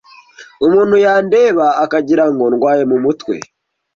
umuntu yandeba akagirango ndwaye mu mutwe